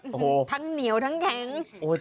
โอ้โหทั้งเหนียวทั้งแข็ง